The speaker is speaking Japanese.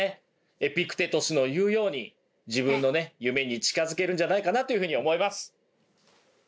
エピクテトスの言うように自分の夢に近づけるんじゃないかなというふうに思います。